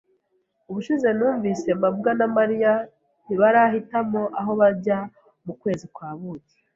Ubushize numvise, mabwa na Mariya ntibarahitamo aho bajya mu kwezi kwa buki.